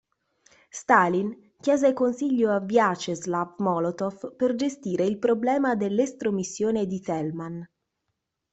Stalin chiese consiglio a Vjačeslav Molotov per gestire il problema dell'estromissione di Thälmann.